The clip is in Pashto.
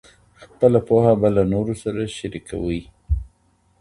خپله پوهه به له نورو سره شریکوئ.